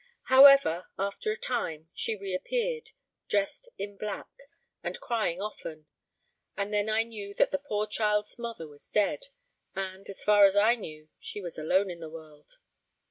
However, after a time, she reappeared, dressed in black, and crying often, and then I knew that the poor child's mother was dead, and, as far as I knew, she was alone in the world.